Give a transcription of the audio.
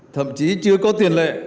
thậm chí chưa có tiền lệ